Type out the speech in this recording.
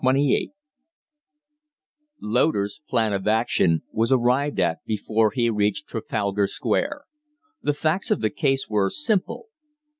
XXVIII Loder's plan of action was arrived at before he reached Trafalgar Square. The facts of the case were simple.